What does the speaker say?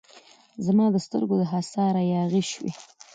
زما د سترګو د حصاره یاغي شوی